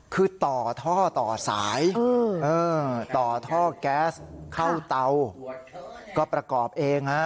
คือต่อท่อต่อสายต่อท่อแก๊สเข้าเตาก็ประกอบเองฮะ